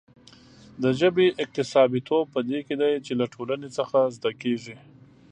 د ژبې اکتسابيتوب په دې کې دی چې له ټولنې څخه زده کېږي.